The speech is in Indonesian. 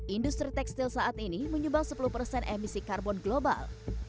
industri tekstil saat ini menyumbang sepuluh persen emisi karbon global